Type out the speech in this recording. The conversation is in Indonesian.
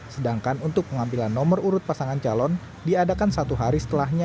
sedangkan untuk pengambilan nomor urut pasangan calon diadakan satu hari setelahnya